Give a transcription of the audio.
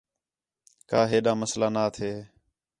کا ہیڈا مسئلہ نا تھے